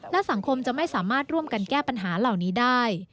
และสังคมจะไม่สามารถร่วมกันแก้ปัญหาเหล่านี้ได้